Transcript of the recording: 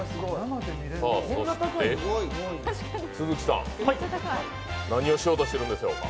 そして、都築さん、何をしようとしているんでしょうか？